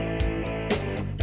nah ini juga